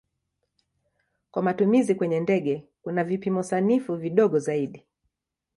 Kwa matumizi kwenye ndege kuna vipimo sanifu vidogo zaidi.